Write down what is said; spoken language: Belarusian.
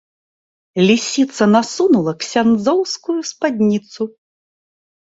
Лісіца насунула ксяндзоўскую спадніцу.